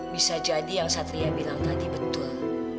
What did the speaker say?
bisa jadi yang satria bilang tadi betul